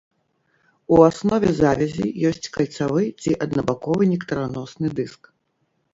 У аснове завязі ёсць кальцавы ці аднабаковы нектараносны дыск.